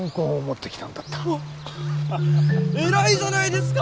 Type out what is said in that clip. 偉いじゃないですか！